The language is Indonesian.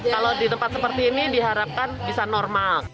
kalau di tempat seperti ini diharapkan bisa normal